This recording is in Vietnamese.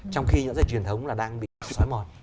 trong khi những cái truyền thống là đang bị xóa mòn